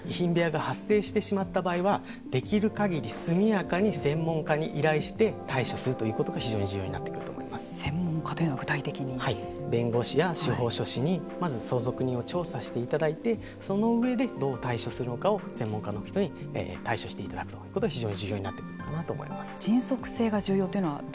遺品部屋が発生しまった場合はできるかぎり速やかに専門家に依頼して対処するということが非常に専門家というのは弁護士や司法書士にまず相続人を調査していただいてその上でどう対処するのかを専門家の人に対処していただくということが非常に重要になってくるかなと思います。